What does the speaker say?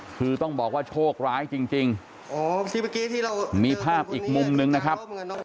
คือต้องบอกว่าโชคร้ายจริงมีภาพอีกมุมนึงนะครับ